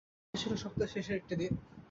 প্রকৃতপক্ষে এ ছিল সপ্তাহের শেষের একটি দিন।